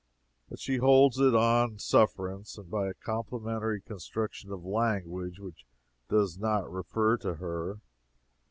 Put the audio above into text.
But she holds it on sufferance and by a complimentary construction of language which does not refer to her.